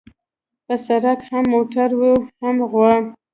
په سړک هم موټر وي هم غوا.